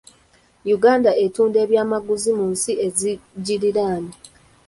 Uganda etunda ebyamaguzi mu nsi ezigiriraanye.